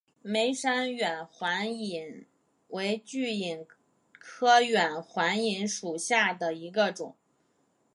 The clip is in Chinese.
梅山远环蚓为巨蚓科远环蚓属下的一个种。